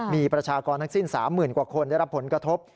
มีประชากรทั้งสิ้น๓๐๐๐กว่าคนได้รับผลกระทบ